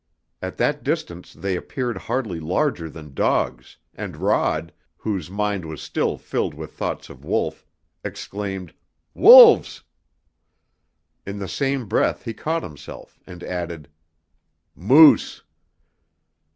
At that distance they appeared hardly larger than dogs, and Rod, whose mind was still filled with thoughts of Wolf, exclaimed "Wolves!" In the same breath he caught himself, and added: "Moose!"